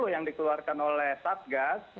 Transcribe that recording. yang dikeluarkan oleh satgas